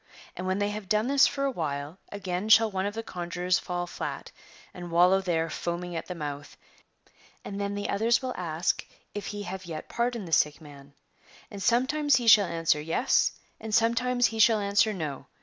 And when they have done this for a while, again shall one of the conjurors fall flat and wallow there foaming at the mouth, and then the others will ask if he have yet pardoned the sick man r And sometimes he shall answer yes! and sometimes he shall answer no!